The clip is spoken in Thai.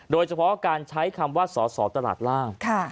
โดยเฉพาะการใช้คำว่าสอสอตลาดล่าง